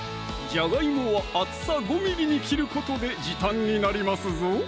じゃがいもは厚さ５ｍｍに切ることで時短になりますぞ